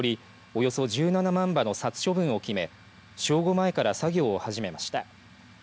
およそ１７万羽の殺処分を決め正午前から作業を始めました。